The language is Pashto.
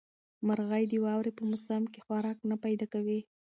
مرغۍ د واورې په موسم کې خوراک نه پیدا کوي.